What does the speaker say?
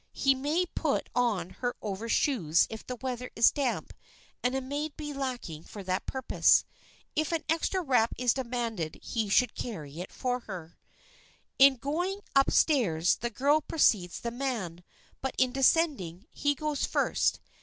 He may put on her overshoes if the weather is damp and a maid be lacking for that purpose. If an extra wrap is demanded he should carry it for her. In going up stairs, the girl precedes the man, but in descending, he goes first.